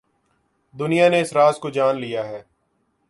دنیا نے اس راز کو جان لیا ہے۔